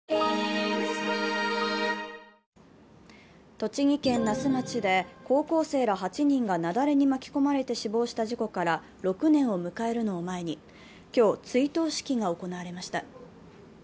栃木県那須町で高校生ら８人が雪崩に巻き込まれて死亡した事故から６年を迎えるのを前に今日、追悼式が行われました。